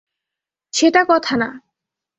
সেটা কথা না।